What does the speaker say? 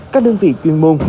các đơn vị chuyên môn